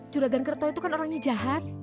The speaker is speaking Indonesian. curagan kerto itu kan orangnya jahat